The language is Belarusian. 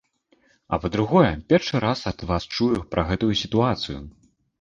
А, па-другое, першы раз ад вас чую пра гэтую сітуацыю.